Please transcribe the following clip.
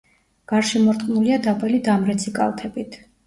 გარშემორტყმულია დაბალი დამრეცი კალთებით.